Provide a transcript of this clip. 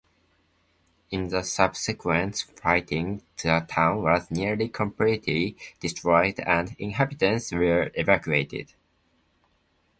In the subsequent fighting the town was nearly completely destroyed and inhabitants were evacuated.